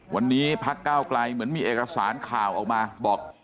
วันนี้พักเก้าไกลเหมือนมีเอกสารข่าวออกมาบอก